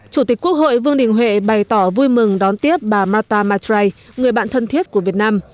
chủ tịch quốc hội vương đình huệ bày tỏ vui mừng đón tiếp bà marta matrai người bạn thân thiết của việt nam